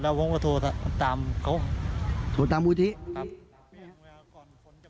แล้วผมก็โทรตามเขาโทรตามวุฒิธิครับ